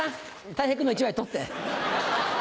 たい平君の１枚取って。